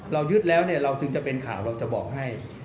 เรายึดแล้วเราถึงจะเป็นข่าวเราจะบอกให้